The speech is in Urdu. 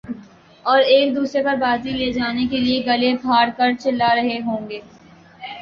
اور ایک دوسرے پر بازی لے جانے کیلئے گلے پھاڑ کر چلا رہے ہوں گے